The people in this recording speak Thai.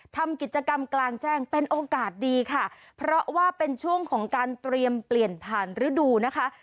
ทำกิจกรรมกลางแจ้งเป็นโอกาสดีค่ะเพราะว่าเป็นช่วงของการเตรียมเปลี่ยนผ่านฤดูนะคะ